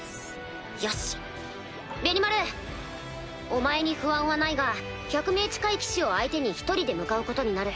お前に不安はないが１００名近い騎士を相手に１人で向かうことになる。